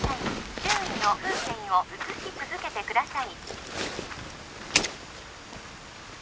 周囲の風景を写し続けてください